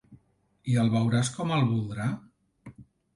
I el veuràs com el voldrà?